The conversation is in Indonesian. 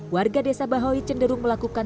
warga desa bahoy cenderung melakukan